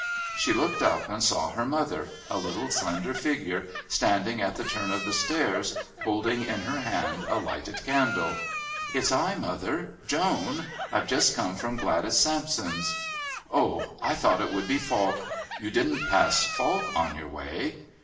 She looked up and saw her mother, a little, slender figure, standing at the turn of the stairs holding in her hand a lighted candle. "It's I, mother, Joan. I've just come from Gladys Sampson's." "Oh! I thought it would be Falk. You didn't pass Falk on your way?"